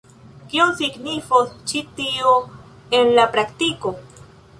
Kion signifos ĉi tio en la praktiko?